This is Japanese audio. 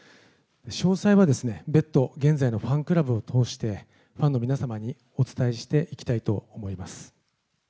詳細はですね、別途、現在のファンクラブを通して、ファンの皆様にお伝えしていきたいと思います。